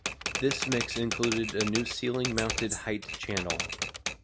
This mix included a new ceiling-mounted height channel.